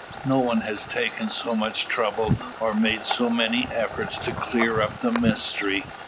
No one has taken so much trouble, or made so many efforts, to clear up the mystery.